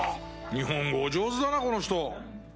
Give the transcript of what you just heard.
日本語お上手だなこの人。